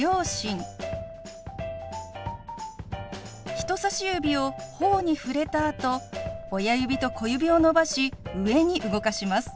人さし指をほおに触れたあと親指と小指を伸ばし上に動かします。